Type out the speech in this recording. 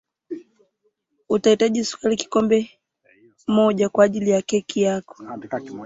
utahitaji sukari kikombe moja kwa ajili ya keki yako